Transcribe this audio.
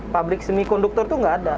pabrik semikonduktor itu nggak ada